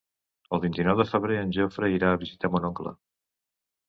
El vint-i-nou de febrer en Jofre irà a visitar mon oncle.